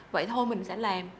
vậy thôi mình sẽ làm